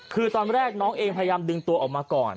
คือตอนแรกน้องเองพยายามดึงตัวออกมาก่อน